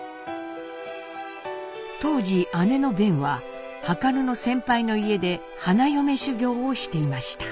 当時姉の辨は量の先輩の家で花嫁修業をしていました。